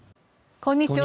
こんにちは。